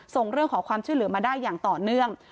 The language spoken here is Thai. ส่งเรื่องขอความช่วยเหลือมาได้อย่างต่อเนื่อง